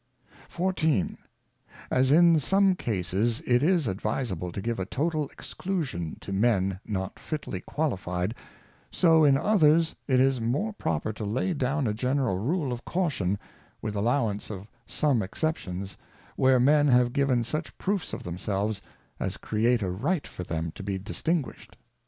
XIV. As in some Cases it is advisable to give a total exclusion to Men not fitly qualified ; so in others it is more proper to lay down a general Rule of Caution, with allowance of some Exceptions, where Men have given such proofs of themselves, as create a Right for them to be distinguished.